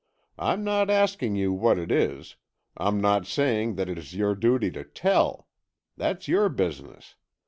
I'm not asking you what it is, I'm not saying it is your duty to tell. That's your business.